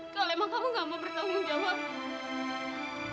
kalau emang kamu gak mau bertanggung jawab